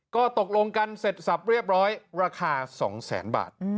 ก็ตกลงกันเสร็จสับเรียบร้อยราคา๒แสนบาท